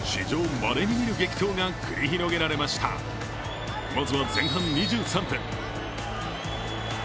まずは前半２３分。